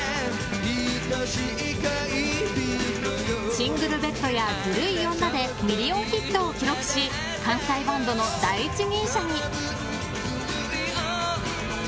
「シングルベッド」や「ズルい女」でミリオンヒットを記録し関西バンドの第一人者に。